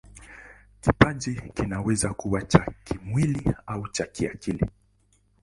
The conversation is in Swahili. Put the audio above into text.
Kipaji kinaweza kuwa cha kimwili au cha kiakili.